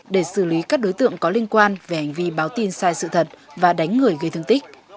để xử lý các đối tượng có liên quan về hành vi báo tin sai sự thật và đánh người gây thương tích